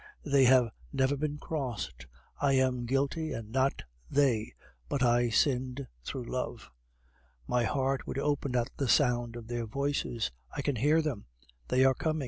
They have never been crossed. I am guilty, and not they but I sinned through love. "My heart would open at the sound of their voices. I can hear them; they are coming.